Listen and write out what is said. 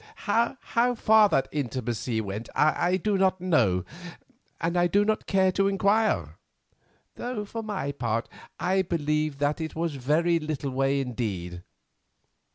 How far that intimacy went I do not know, and I do not care to inquire, though for my part I believe that it was a very little way indeed.